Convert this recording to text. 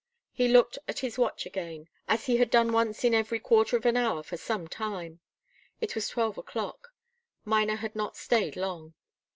He looked at his watch again, as he had done once in every quarter of an hour for some time. It was twelve o'clock. Miner had not stayed long.